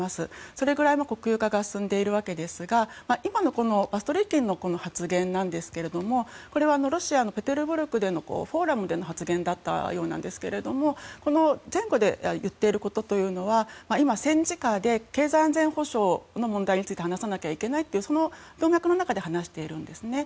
それぐらい国有化が進んでいるわけですがこのバストルイキンの発言ですがロシアのペテルブルクでのフォーラムでの発言だったようなんですが前後で言っているということは戦時下で経済・安全保障について話さなきゃいけないという中で話しているんです。